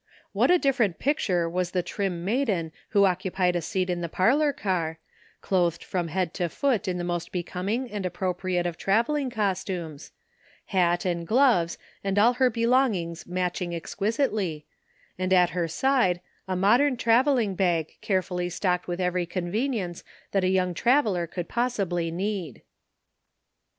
What a different picture was the trim maiden who occupied a seat in the par lor car, clothed from head to foot in the most becoming and appropriate of traveling costumes — hat and gloves and all her belongings match ing exquisitely — and at her side a modern traveling bag carefully stocked with every con venience that a young traveler could possibly need.